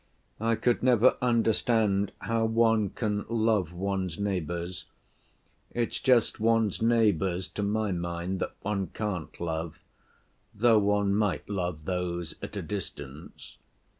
"I could never understand how one can love one's neighbors. It's just one's neighbors, to my mind, that one can't love, though one might love those at a distance.